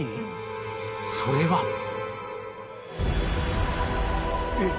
それはえっ！